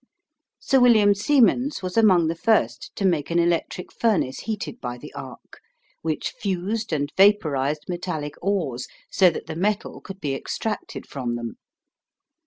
Sir William Siemens was among the first to make an electric furnace heated by the arc, which fused and vapourised metallic ores, so that the metal could be extracted from them.